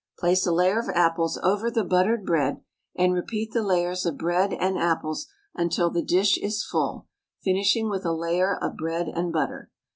Place a layer of apples over the buttered bread, and repeat the layers of bread and apples until the dish is full, finishing with a layer of bread and butter.